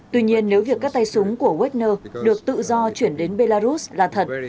tuy nhiên nếu việc các tay súng của wagner được tự do chuyển đến belarus là thật